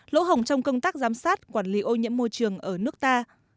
quan sát quản lý ô nhiễm môi trường ở nước ta